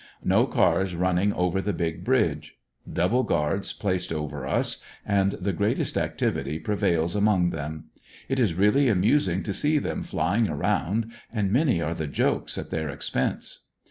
No cars running over the big bridge. Double guards placed over us and the greatest activity prevails among them. It is really amusing to see them flying around and many are the jokes at their expense.